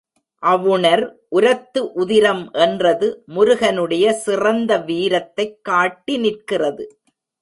அவுணர் உரத்து உதிரம் என்றது முருகனுடைய சிறந்த வீரத்தைக் காட்டி நிற்கிறது.